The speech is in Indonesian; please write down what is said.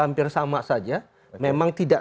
hampir sama saja memang tidak